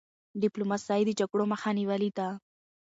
ډيپلوماسی د جګړو مخه نیولې ده.